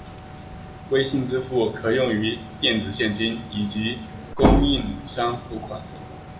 微信支付可用于电子现金以及供应商付款。